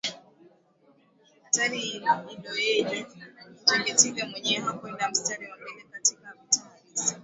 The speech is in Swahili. Hatari iliyoje Kinjekitile mwenyewe hakwenda mstari wa mbele katika vita halisi